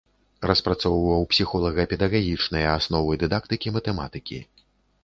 Распрацоўваў псіхолага-педагагічныя асновы дыдактыкі матэматыкі.